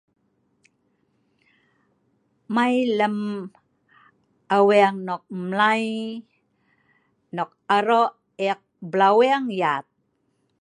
Mai lem'aweng nok'aro'eek blaweng yat.